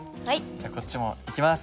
じゃこっちもいきます。